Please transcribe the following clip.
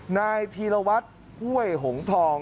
นายธีรวัตน์ฮ่วยหงธอง